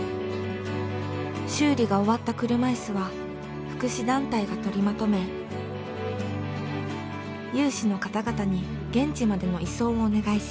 修理が終わった車いすは福祉団体が取りまとめ有志の方々に現地までの移送をお願いし。